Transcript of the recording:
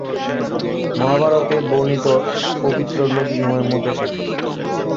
মহাভারত-এ বর্ণিত পবিত্র নদীসমূহের মধ্যে একটি।